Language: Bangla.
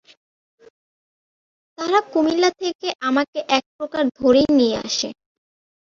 তারা কুমিল্লা থেকে আমাকে একপ্রকার ধরেই নিয়ে আসে।